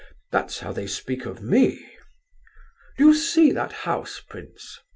That's how they speak of me.... Do you see that house, prince?